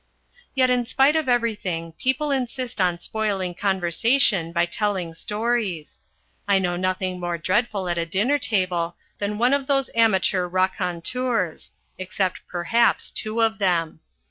Yet in spite of everything, people insist on spoiling conversation by telling stories. I know nothing more dreadful at a dinner table than one of these amateur raconteurs except perhaps, two of them.